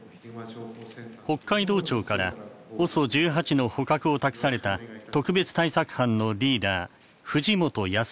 北海道庁からＯＳＯ１８の捕獲を託された特別対策班のリーダー藤本靖。